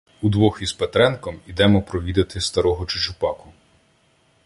Удвох із Петренком ідемо провідати старого Чучупаку.